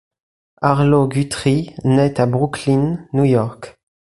Arlo Guthrie naît à Brooklyn, New York.